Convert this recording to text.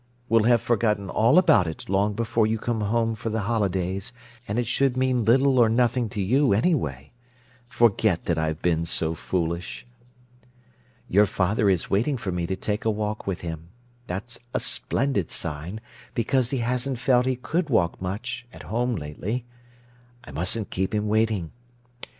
We'll have forgotten all about it long before you come home for the holidays, and it should mean little or nothing to you, anyway. Forget that I've been so foolish! Your father is waiting for me to take a walk with him—that's a splendid sign, because he hasn't felt he could walk much, at home, lately. I mustn't keep him waiting.